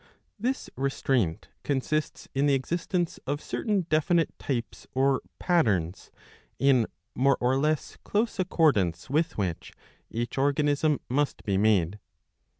This restraint consists in the existence of certain definite types or patterns, in more or less close accordance with which each organism must be made.